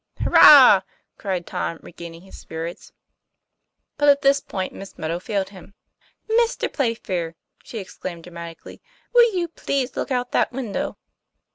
Hurrah!" cried Tom, regaining his spirits. at this point Miss Meadow failed hirrj. ' TOM PLAYFAIR. 171 "Mr. Playfair!" she exclaimed dramatically, "will you please look out that window?"